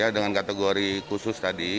dengan kategori khusus tadi